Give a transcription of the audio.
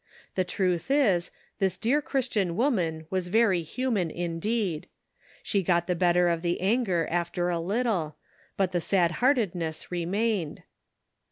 The truth is, this dear Christian woman was very human indeed. She got the better of the anger after a little, but the sadheartedness remained.